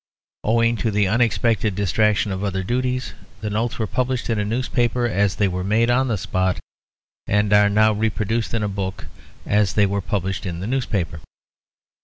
Owing to the unexpected distraction of other duties, the notes were published in a newspaper as they were made on the spot; and are now reproduced in a book as they were published in the newspaper.